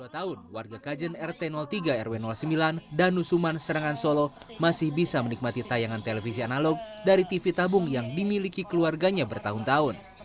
dua puluh dua tahun warga kajen rt tiga rw sembilan dan nusuman serangan solo masih bisa menikmati tayangan televisi analog dari tv tabung yang dimiliki keluarganya bertahun tahun